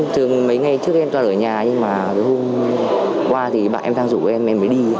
thường mấy ngày trước em toàn ở nhà nhưng mà hôm qua bạn em tham dụ em em mới đi